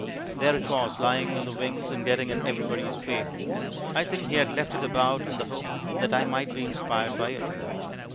There it was, lying in the wings and getting in everybody's way. I think he had left it about in the hope that I might be inspired by it.